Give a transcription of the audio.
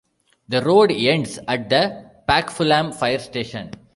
The road ends at the Pokfulam Fire Station.